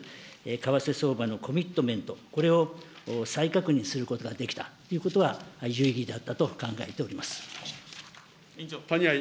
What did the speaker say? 為替相場のコミットメント、これを再確認することができたということは、有意義だったと考えております。